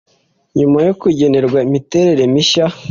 nyuma yo kugenerwa imiterere mishya